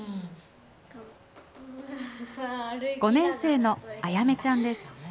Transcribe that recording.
５年生のあやめちゃんです。